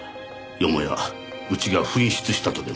よもやうちが紛失したとでも？